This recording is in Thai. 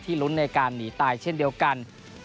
ลุ้นในการหนีตายเช่นเดียวกัน